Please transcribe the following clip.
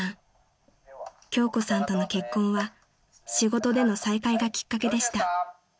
［京子さんとの結婚は仕事での再会がきっかけでした］